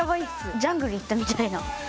ジャングル行ったみたいな。